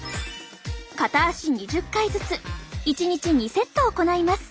片足２０回ずつ１日２セット行います。